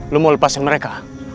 lu mau lepasin mereka